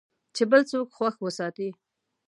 چې بل څوک خوښ وساتې .